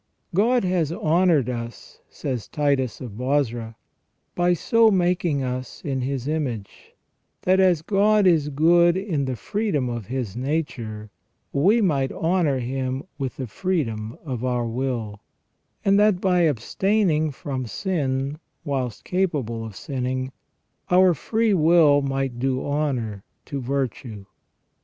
" God has honoured us," says Titus of Bozra, " by so making us in His image, that as God is good in the freedom of His nature, we might honour Him with the freedom of our will ; and that by abstaining from sin, whilst capable of sinning, our free will might do honour to virtue."